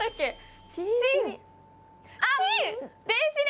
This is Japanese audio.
あっ！